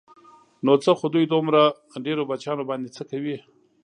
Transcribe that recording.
نو څه خو دوی دومره ډېرو بچیانو باندې څه کوي.